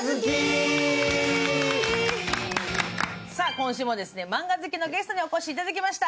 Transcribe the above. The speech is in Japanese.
今週もマンガ好きのゲストにお越しいただきました。